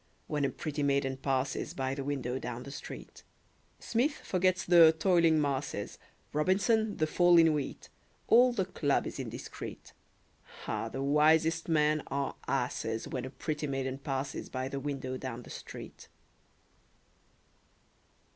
When a pretty maiden passes By the window down the street. Smith forgets the "toiling masses," Robinson, the fall in wheat; All the club is indiscret. Ah, the wisest men are asses When a pretty maiden passes By the window down the street!